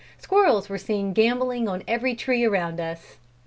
Squirrels were seen gambolling on every tree around us.